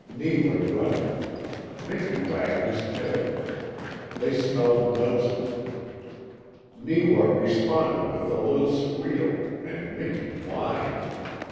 Neewa grunted. Miki wagged his tail. They smelled noses. Neewa responded with a little squeal, and Miki whined.